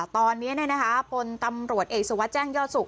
ตอนนี้พลตำรวจเอกสุวัสดิ์แจ้งยอดสุข